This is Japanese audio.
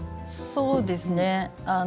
そうですね。